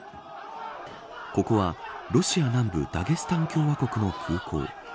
ここは、ロシア南部ダゲスタン共和国の空港。